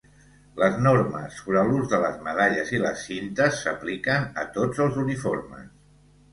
Les normes sobre l'ús de les medalles i les cintes s'apliquen a tots els uniformes.